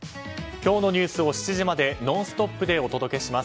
今日のニュースを７時までノンストップでお届けします。